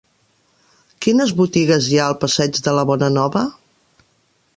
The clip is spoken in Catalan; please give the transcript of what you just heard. Quines botigues hi ha al passeig de la Bonanova?